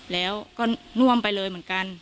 แล้วก็น่วมไปเลยเหมือนกัน